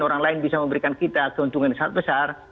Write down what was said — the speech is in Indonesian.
orang lain bisa memberikan kita keuntungan yang sangat besar